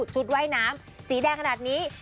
ชุดว่ายน้ำสีแดงขนาดนี้